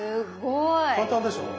簡単でしょ？